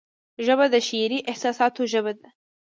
ژبه د شعري احساساتو ژبه ده